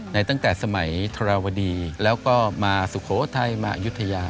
ตั้งแต่สมัยธรวดีแล้วก็มาสุโขทัยมาอายุทยา